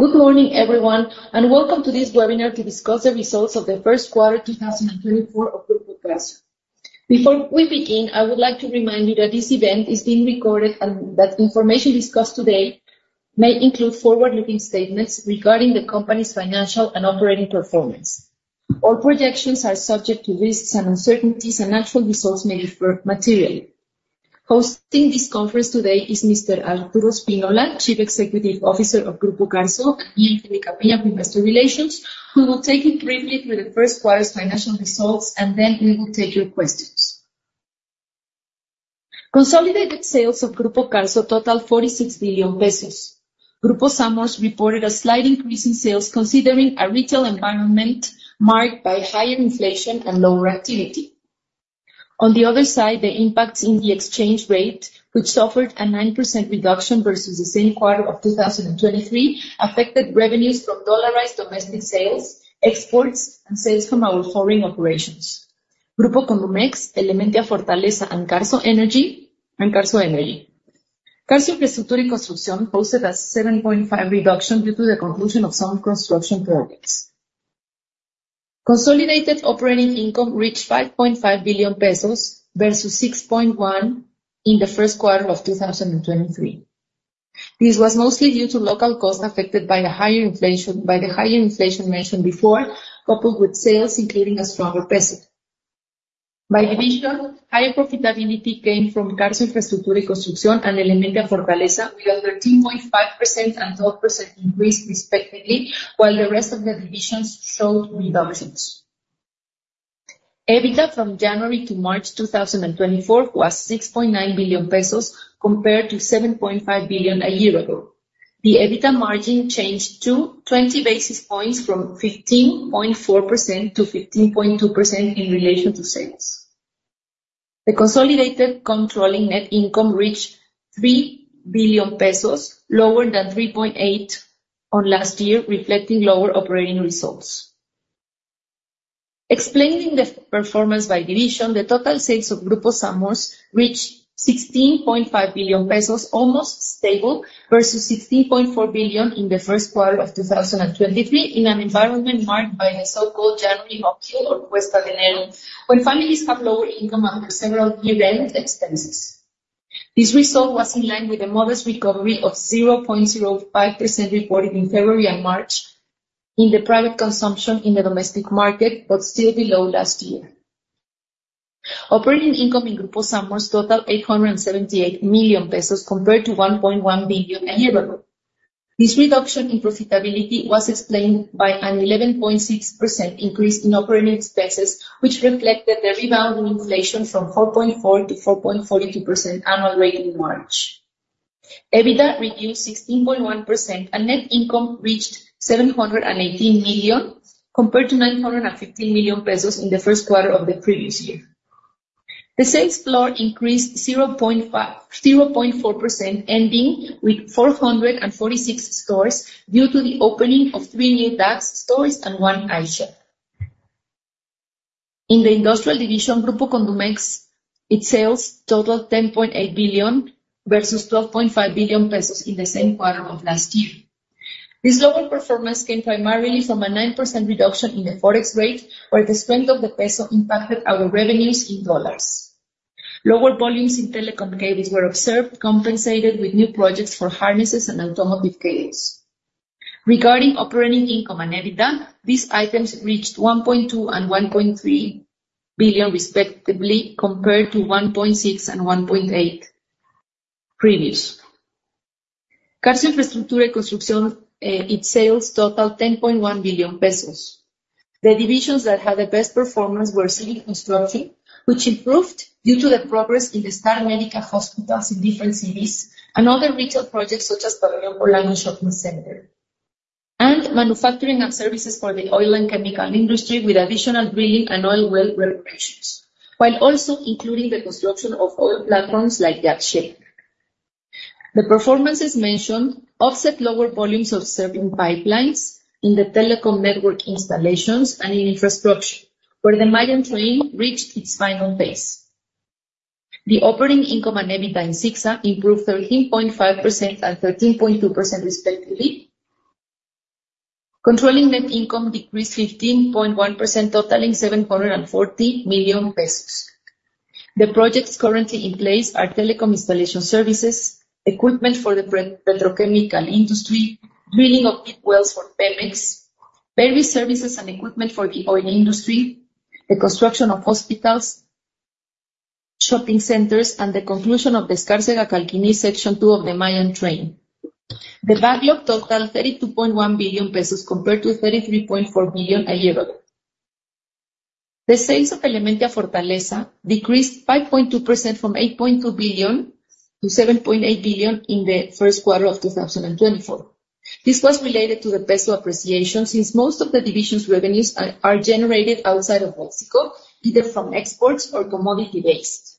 Good morning, everyone, and welcome to this webinar to discuss the results of the first quarter 2024 of Grupo Carso. Before we begin, I would like to remind you that this event is being recorded and that information discussed today may include forward-looking statements regarding the company's financial and operating performance. All projections are subject to risks and uncertainties, and actual results may differ materially. Hosting this conference today is Mr. Arturo Spínola, Chief Executive Officer of Grupo Carso, and me, Angélica Piña, Investor Relations, who will take you briefly through the first quarter's financial results, and then we will take your questions. Consolidated sales of Grupo Carso total 46 billion pesos. Grupo Sanborns reported a slight increase in sales, considering a retail environment marked by higher inflation and lower activity. On the other side, the impact in the exchange rate, which suffered a 9% reduction versus the same quarter of 2023, affected revenues from dollarized domestic sales, exports, and sales from our foreign operations. Grupo Condumex, Elementia Fortaleza, and Carso Energy. Carso Infraestructura y Construcción posted a 7.5% reduction due to the conclusion of some construction projects. Consolidated operating income reached 5.5 billion pesos versus 6.1 billion in the first quarter of 2023. This was mostly due to local costs affected by the higher inflation, by the higher inflation mentioned before, coupled with sales, including a stronger peso. By division, higher profitability came from Carso Infraestructura y Construcción and Elementia Fortaleza, with 13.5% and 12% increase, respectively, while the rest of the divisions showed reductions. EBITDA from January to March 2024 was 6.9 billion pesos, compared to 7.5 billion a year ago. The EBITDA margin changed to 20 basis points from 15.4% to 15.2% in relation to sales. The consolidated controlling net income reached 3 billion pesos, lower than 3.8 billion last year, reflecting lower operating results. Explaining the performance by division, the total sales of Grupo Sanborns reached 16.5 billion pesos, almost stable, versus 16.4 billion in the first quarter of 2023, in an environment marked by the so-called January uphill, or Cuesta de Enero, when families have lower income under several event expenses. This result was in line with the modest recovery of 0.05%, reported in February and March, in the private consumption in the domestic market, but still below last year. Operating income in Grupo Sanborns totaled 878 million pesos, compared to 1.1 billion a year ago. This reduction in profitability was explained by an 11.6% increase in operating expenses, which reflected the rebound in inflation from 4.4% to 4.42% annual rate in March. EBITDA reduced 16.1%, and net income reached 718 million, compared to 950 million pesos in the first quarter of the previous year. The sales floor increased 0.4%, ending with 446 stores, due to the opening of three new DAX stores and one iShop. In the industrial division, Grupo Condumex, its sales totaled 10.8 billion versus 12.5 billion pesos in the same quarter of last year. This lower performance came primarily from a 9% reduction in the Forex rate, where the strength of the peso impacted our revenues in dollars. Lower volumes in telecom cables were observed, compensated with new projects for harnesses and automotive cables. Regarding operating income and EBITDA, these items reached 1.2 billion and 1.3 billion, respectively, compared to 1.6 billion and 1.8 billion previous. Carso Infraestructura y Construcción, its sales totaled 10.1 billion pesos. The divisions that had the best performance were civil construction, which improved due to the progress in the Star Médica hospitals in different cities and other retail projects such as Pabellón Polanco Shopping Center, and manufacturing and services for the oil and chemical industry, with additional drilling and oil well reparations, while also including the construction of oil platforms like jack-up. The performances mentioned offset lower volumes of certain pipelines in the telecom network installations and in infrastructure, where the Mayan Train reached its final phase. The operating income and EBITDA in CICSA improved 13.5% and 13.2%, respectively. Controlling net income decreased 15.1%, totaling 740 million pesos. The projects currently in place are telecom installation services, equipment for the petrochemical industry, drilling of deep wells for Pemex, various services and equipment for the oil industry, the construction of hospitals, shopping centers, and the conclusion of the Escárcega-Calkiní Section 2 of the Mayan Train. The value of total, 32.1 billion pesos, compared to 33.4 billion a year ago. The sales of Elementia Fortaleza decreased 5.2% from 8.2 billion to 7.8 billion in the first quarter of 2024. This was related to the peso appreciation, since most of the division's revenues are generated outside of Mexico, either from exports or commodity base.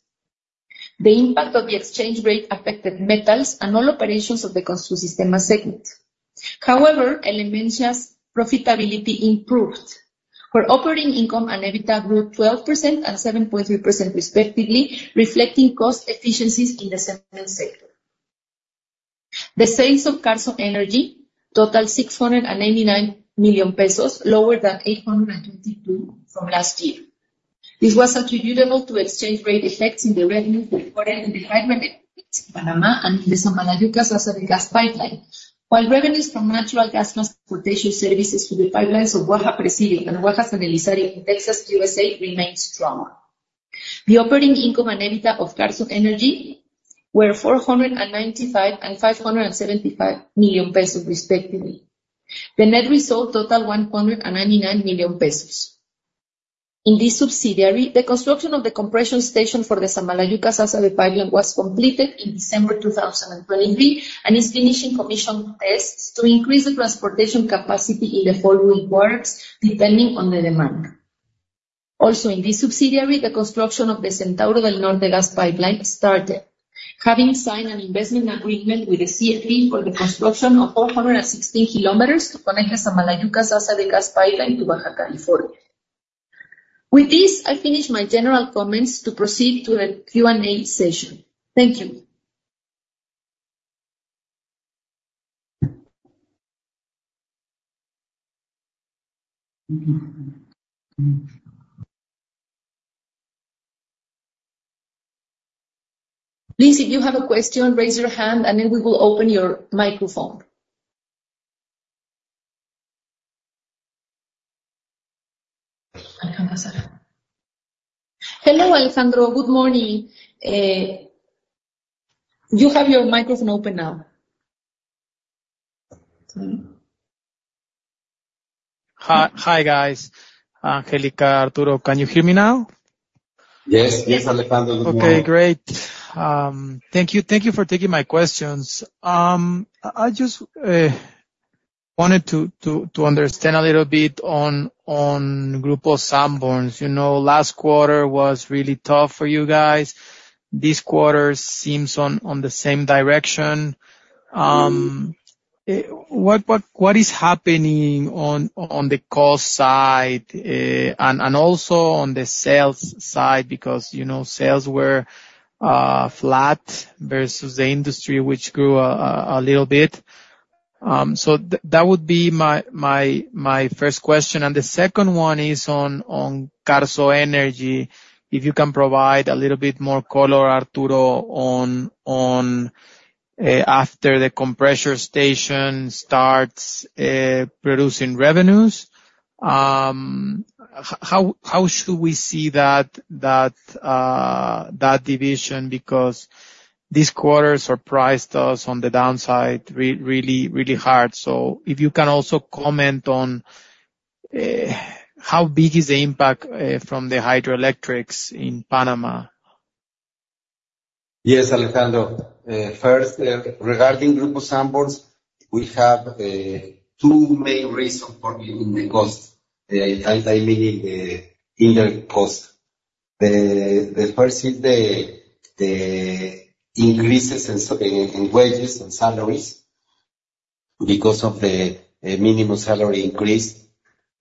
The impact of the exchange rate affected metals and all operations of the Construsistemas segment. However, Elementia's profitability improved.... Where operating income and EBITDA grew 12% and 7.3% respectively, reflecting cost efficiencies in the cement sector. The sales of Carso Energy totaled 699 million pesos, lower than 822 million from last year. This was attributable to exchange rate effects in the revenue reported in Panama and the Samalayuca Gas Pipeline. While revenues from natural gas transportation services to the pipelines of Waha and Waha in Texas, USA, remained strong. The operating income and EBITDA of Carso Energy were 495 million and 575 million pesos, respectively. The net result totaled 199 million pesos. In this subsidiary, the construction of the compression station for the Samalayuca Gas Pipeline was completed in December 2023, and is finishing commission tests to increase the transportation capacity in the following quarters, depending on the demand. Also, in this subsidiary, the construction of the Centauro del Norte Gas Pipeline started, having signed an investment agreement with the CFE for the construction of 416 km to connect the Samalayuca Gas Pipeline to Baja California. With this, I finish my general comments to proceed to the Q&A session. Thank you. Please, if you have a question, raise your hand, and then we will open your microphone. Hello, Alejandro. Good morning. You have your microphone open now. Hi, hi, guys. Angélica, Arturo, can you hear me now? Yes. Yes, Alejandro, good morning. Okay, great. Thank you. Thank you for taking my questions. I just wanted to understand a little bit on Grupo Sanborns. You know, last quarter was really tough for you guys. This quarter seems on the same direction. What is happening on the cost side and also on the sales side? Because, you know, sales were flat versus the industry, which grew a little bit. So that would be my first question, and the second one is on Carso Energy, if you can provide a little bit more color, Arturo, on after the compressor station starts producing revenues. How should we see that division? Because this quarter surprised us on the downside really, really hard. So if you can also comment on how big is the impact from the hydroelectrics in Panama? Yes, Alejandro. First, regarding Grupo Sanborns, we have two main reasons for the cost, I mean, the incurred cost. The first is the increases in wages and salaries. Because of the minimum salary increase,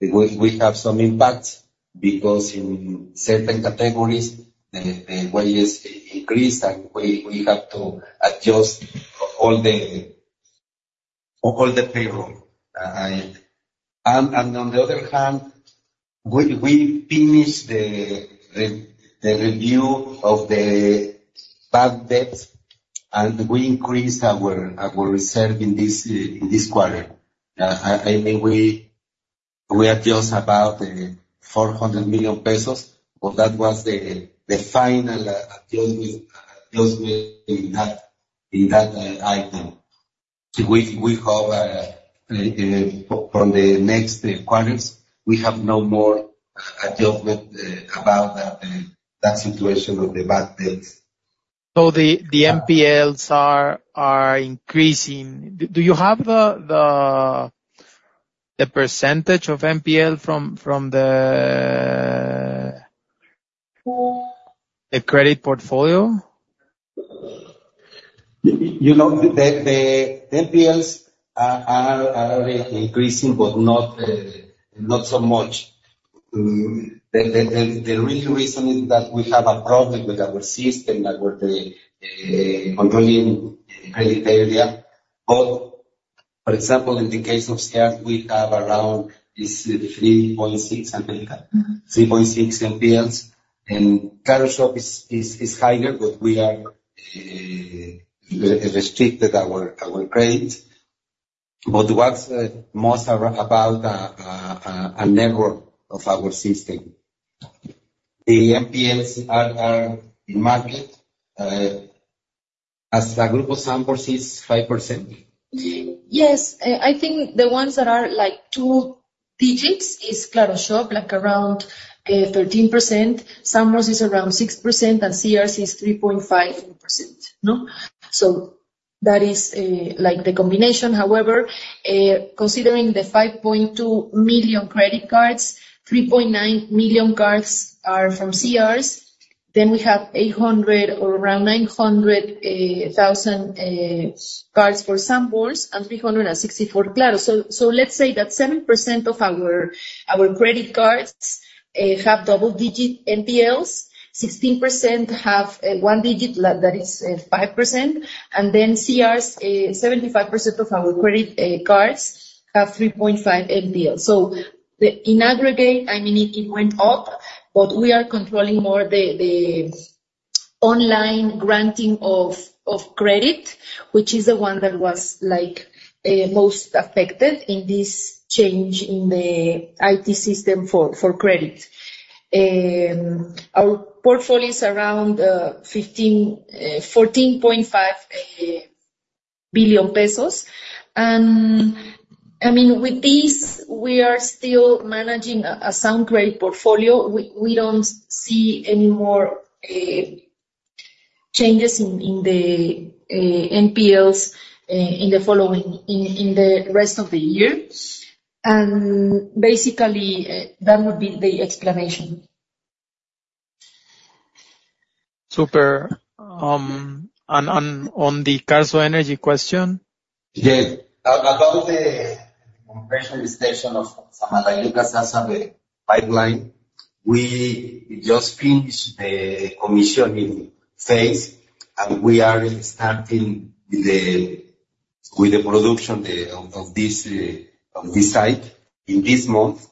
we have some impact because in certain categories, the wages increase, and we have to adjust all the payroll. And on the other hand, we finished the review of the bad debt, and we increased our reserve in this quarter. I mean, we adjust about 400 million pesos, but that was the final adjustment in that item. So we have, for the next quarters, we have no more adjustment about that situation with the bad debts. So the NPLs are increasing. Do you have the percentage of NPL from the credit portfolio? You know, the NPLs are increasing, but not so much. The real reason is that we have a problem with our system that we're controlling credit area. But for example, in the case of Sears, we have around 3.6, Angélica? Mm-hmm. 3.6 NPLs, and Carso is higher, but we are restricted our credit. But what's most around about a network of our system. The NPLs are in market as a Grupo Sanborns is 5%. Yes. I think the ones that are, like, two digits is Claro Shop, like, around 13%. Sanborns is around 6%, and Sears is 3.5%, no? So that is, like, the combination. However, considering the 5.2 million credit cards, 3.9 million cards are from Sears. Then we have 800 or around 900 thousand cards for Sanborns and 364 Claro. So, let's say that 7% of our credit cards have double-digit NPLs, 16% have one digit, like, that is 5%, and then Sears, 75% of our credit cards have 3.5 NPL. So in aggregate, I mean, it went up, but we are controlling more the online granting of credit, which is the one that was, like, most affected in this change in the IT system for credit. Our portfolio is around 14.5 billion pesos. I mean, with this, we are still managing a sound credit portfolio. We don't see any more changes in the NPLs in the following, in the rest of the year. And basically, that would be the explanation. Super. And on the Carso Energy question? Yeah. About the compression station of the Samalayuca-Sásabe pipeline, we just finished the commissioning phase, and we are starting with the production of this site in this month,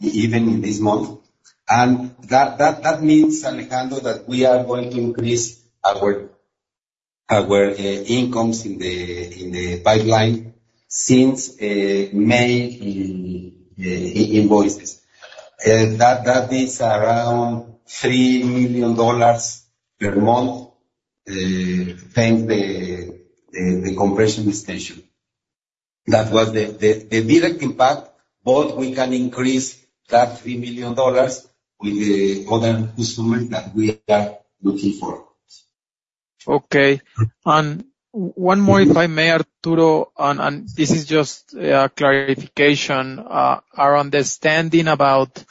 even in this month. And that means, Alejandro, that we are going to increase our incomes in the pipeline since May in invoices. That is around $3 million per month, thanks to the compression station. That was the direct impact, but we can increase that $3 million with the other instrument that we are looking for. Okay. And one more, if I may, Arturo, and this is just clarification. Our understanding about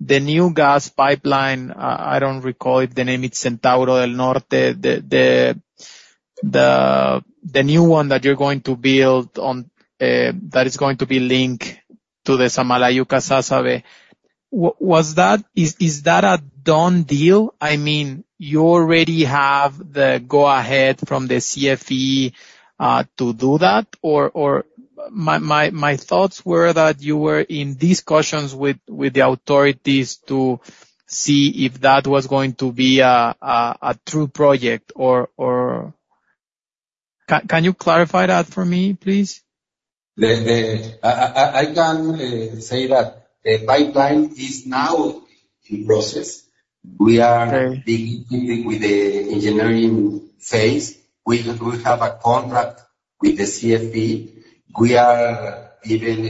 the new gas pipeline, I don't recall if the name is Centauro del Norte, the new one that you're going to build on, that is going to be linked to the Samalayuca-Sásabe. Was that— Is that a done deal? I mean, you already have the go-ahead from the CFE to do that? Or my thoughts were that you were in discussions with the authorities to see if that was going to be a true project, or... Can you clarify that for me, please? I can say that the pipeline is now in process. Okay. We are beginning with the engineering phase. We have a contract with the CFE. We are even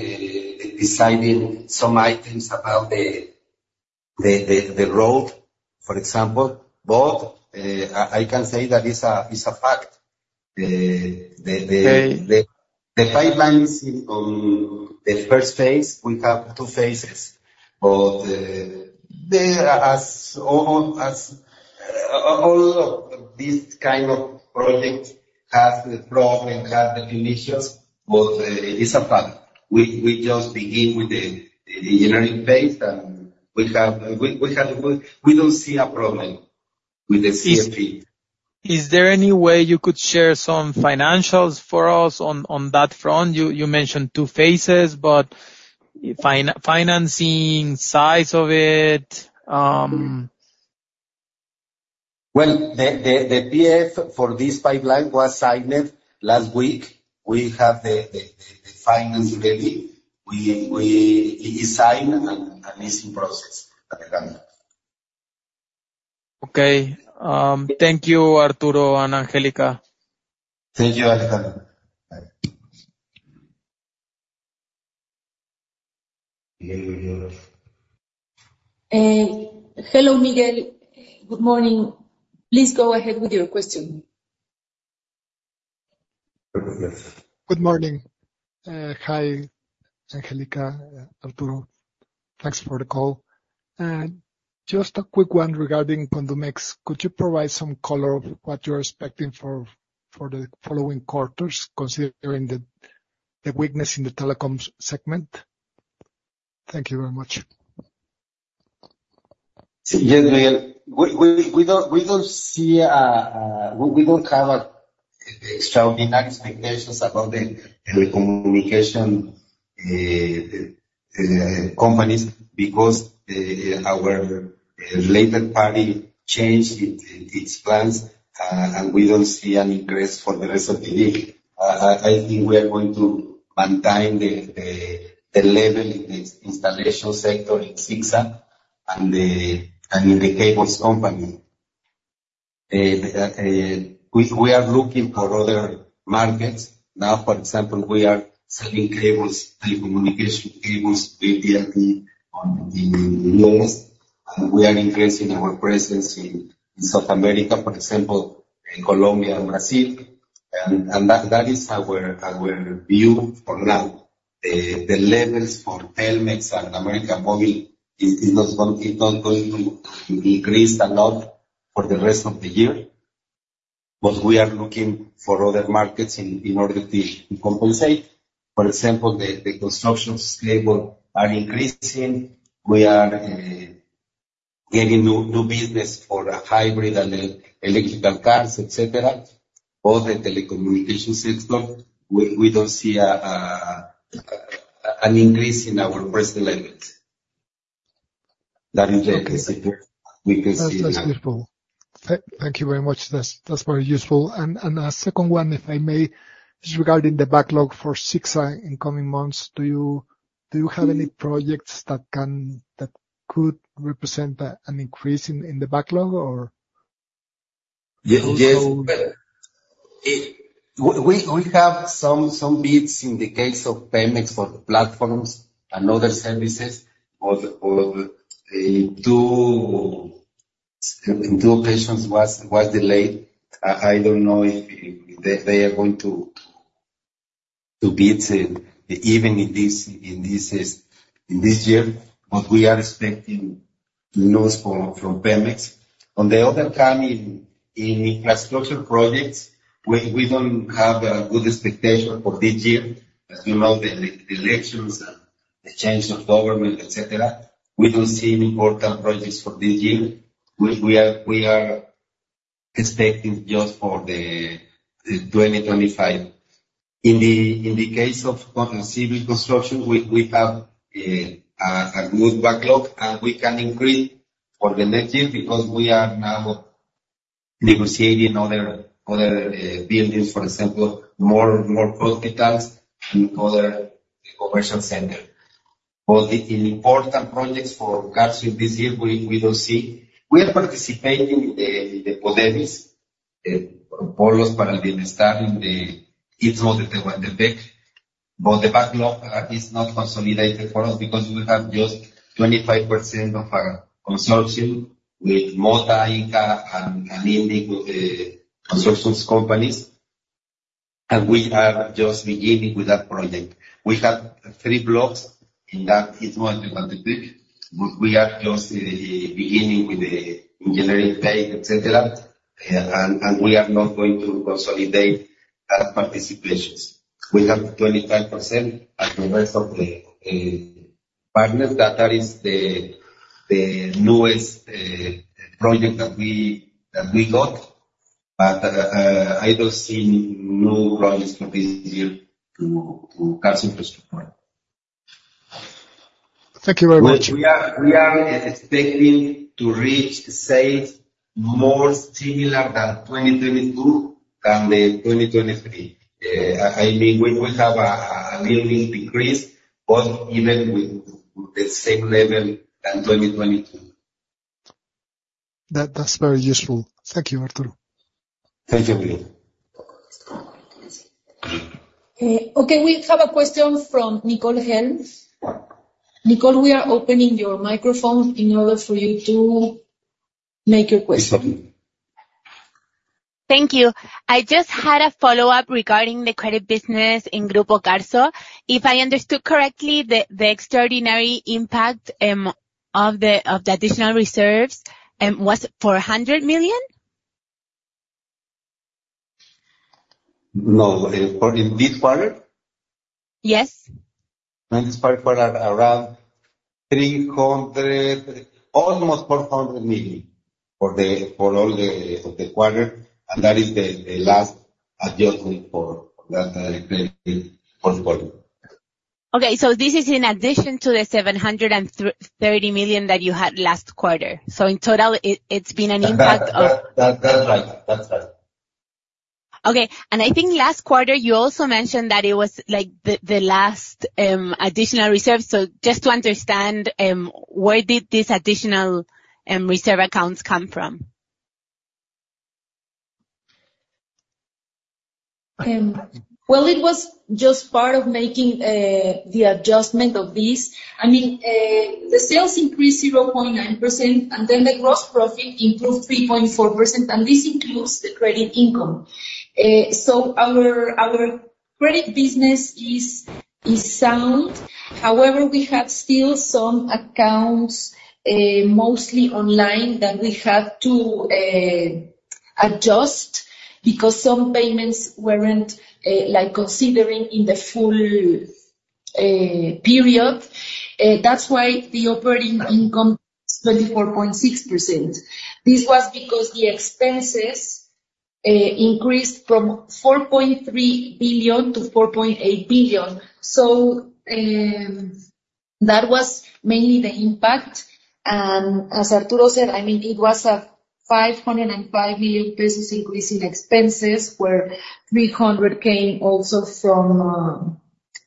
deciding some items about the road, for example. But I can say that it's a fact. Okay. The pipeline is in the first phase. We have two phases, but they are as old as all of these kind of projects have the problem, have the conditions, but it's a fact. We just begin with the engineering phase, and we have a good. We don't see a problem with the CFE. Is there any way you could share some financials for us on that front? You mentioned two phases, but financing, size of it... Well, the PF for this pipeline was signed last week. We have the financing ready. It is signed and is in process, Alejandro. Okay. Thank you, Arturo and Angélica. Thank you, Alejandro. Bye. Hello, Miguel. Good morning. Please go ahead with your question. Good morning. Hi, Angélica, Arturo. Thanks for the call. Just a quick one regarding Condumex: Could you provide some color of what you're expecting for the following quarters, considering the weakness in the telecoms segment? Thank you very much. Yeah, Miguel, we don't see a... We don't have a extraordinary expectations about the communication companies because our related party changed its plans, and we don't see any progress for the rest of the year. I think we are going to maintain the level in the installation sector in CICSA and in the cables company. We are looking for other markets. Now, for example, we are selling cables, telecommunication cables, Aptiv, on the U.S., and we are increasing our presence in South America, for example, in Colombia and Brazil... And that is our view for now. The levels for Pemex and América Móvil is not going to increase a lot for the rest of the year. But we are looking for other markets in order to compensate. For example, the construction cables are increasing. We are getting new business for hybrid and electrical cars, et cetera, or the telecommunication system. We don't see an increase in our risk levels. That is the position we can see now. That's useful. Thank you very much. That's very useful. And a second one, if I may, is regarding the backlog for CICSA in coming months. Do you have any projects that could represent an increase in the backlog, or? Yes. We have some bids in the case of Pemex for the platforms and other services, but two locations was delayed. I don't know if they are going to bid even in this year. But we are expecting news from Pemex. On the other hand, in infrastructure projects, we don't have a good expectation for this year. As you know, the elections and the change of government, et cetera, we don't see any important projects for this year. We are expecting just for 2025. In the case of civil construction, we have a good backlog, and we can increase for the next year because we are now negotiating other buildings, for example, more hospitals and other commercial center. But the important projects for Carso this year, we don't see. We are participating in the Polos para el Bienestar, in the Istmo de Tehuantepec, but the backlog is not consolidated for us because we have just 25% of our consortium with Mota-Engil and consortium companies, and we are just beginning with that project. We have three blocks in that Istmo de Tehuantepec, but we are just beginning with the engineering phase, et cetera. And we are not going to consolidate our participations. We have 25%, and the rest of the partners that is the newest project that we got. But I don't see new projects for this year to Carso Infrastructure. Thank you very much. We are expecting to reach sales more similar than 2022 than the 2023. I mean, we have a little decrease, but even with the same level than 2022. That, that's very useful. Thank you, Arturo. Thank you, William. Okay, we have a question from Nicole Helms. Nicole, we are opening your microphone in order for you to make your question. Okay. Thank you. I just had a follow-up regarding the credit business in Grupo Carso. If I understood correctly, the extraordinary impact of the additional reserves was 400 million? No. for in this quarter? Yes. In this quarter, around 300 million, almost 400 million, for all of the quarter, and that is the last adjustment for that credit for quarter. Okay, so this is in addition to the 730 million that you had last quarter. So in total, it's been an impact of- That, that's right. That's right. Okay. And I think last quarter, you also mentioned that it was, like, the last additional reserve. So just to understand, where did this additional reserve accounts come from? Well, it was just part of making the adjustment of this. I mean, the sales increased 0.9%, and then the gross profit improved 3.4%, and this includes the credit income. Our credit business is sound. However, we have still some accounts, mostly online, that we have to adjust, because some payments weren't like considering in the full period. That's why the operating income is 24.6%. This was because the expenses increased from 4.3 billion-4.8 billion. That was mainly the impact. As Arturo said, I mean, it was a 505 million pesos increase in expenses, where 300 came also from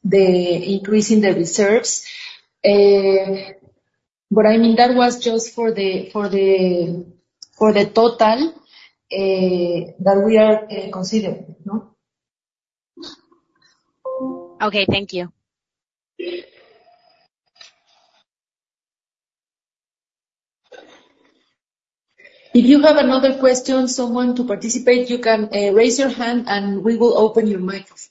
the increase in the reserves. But I mean, that was just for the total that we are considering, no? Okay, thank you. If you have another question, someone to participate, you can raise your hand, and we will open your microphone.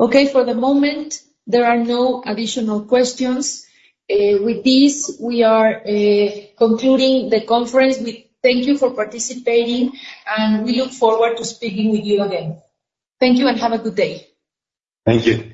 Okay, for the moment, there are no additional questions. With this, we are concluding the conference. We thank you for participating, and we look forward to speaking with you again. Thank you, and have a good day. Thank you.